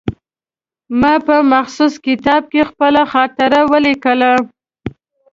ما په مخصوص کتاب کې خپله خاطره ولیکله.